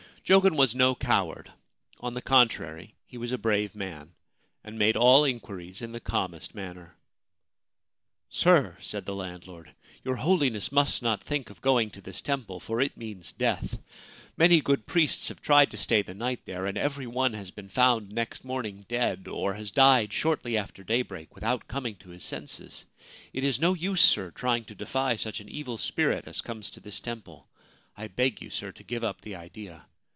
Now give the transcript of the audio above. Jogen was no coward ; on the contrary, he was a brave man, and made all inquiries in the calmest manner. 1 Sir/ said the landlord, ' your holiness must not think of going to this temple, for it means death. Many good priests have tried to stay the night there, and every one has been found next morning dead, or has died shortly after daybreak without coming to his senses. It is no use, sir, trying to defy such an evil spirit as comes to this temple. I beg you, sir, to give up the idea.